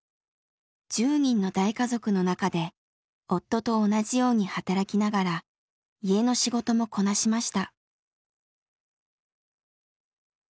１０人の大家族の中で夫と同じように働きながら家の仕事もこなしました。